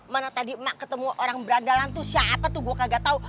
mana tadi emak ketemu orang berandalan tuh siapa tuh gue kagak tahu